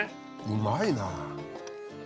うまいな。